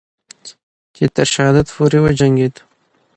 چې تر شهادت پورې وجنگید